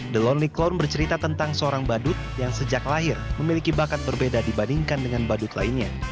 the lonely clon bercerita tentang seorang badut yang sejak lahir memiliki bakat berbeda dibandingkan dengan badut lainnya